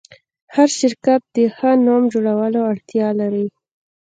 هر شرکت د ښه نوم جوړولو اړتیا لري.